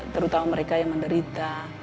terutama mereka yang menderita